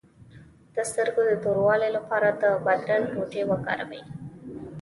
د سترګو د توروالي لپاره د بادرنګ ټوټې وکاروئ